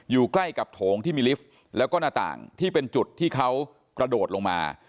อยู่ใกล้กับโถงที่มีลิฟต์แล้วก็หน้าต่างที่เป็นจุดที่เขากระโดดลงมา